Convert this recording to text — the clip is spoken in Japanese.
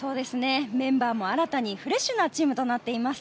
メンバーも新たにフレッシュなチームとなっています。